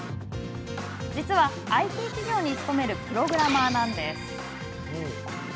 実は、ＩＴ企業に勤めるプログラマーなんです。